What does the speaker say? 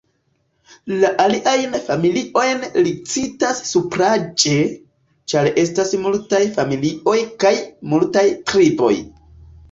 La aliajn familiojn li citas supraĵe, ĉar estas multaj familioj kaj multaj triboj.